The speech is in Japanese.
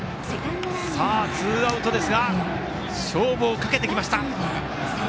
さあ、ツーアウトですが勝負をかけてきました！